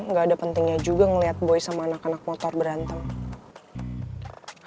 nggak ada pentingnya juga ngeliat boy sama anak anak motor berantem